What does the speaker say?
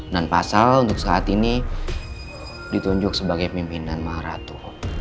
dan pasal untuk saat ini ditunjuk sebagai pimpinan maharatu